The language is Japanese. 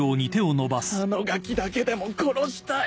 あのガキだけでも殺したい！